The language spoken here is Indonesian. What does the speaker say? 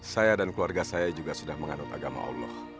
saya dan keluarga saya juga sudah menganut agama allah